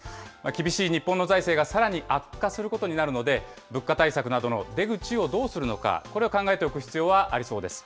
厳しい日本の財政がさらに悪化することになるので、物価対策などの出口をどうするのか、これを考えておく必要はありそうです。